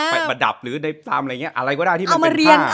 ผ้ามาดับหรืออะไรก็ได้ที่มันเป็นผ้า